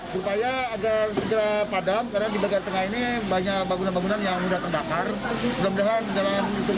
kita sedang berupaya agar segera padam karena di bagian tengah ini banyak bangunan bangunan